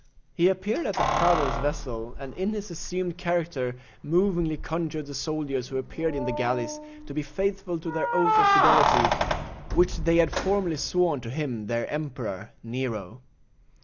He appeared at the prow of his vessel, and in his assumed character movingly conjured the soldiers who appeared in the galleys to be faithful to their oath of fidelity, which they had formerly sworn to him their Emperor, Nero.